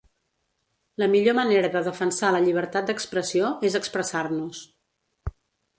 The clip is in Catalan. La millor manera de defensar la llibertat d’expressió és expressar-nos.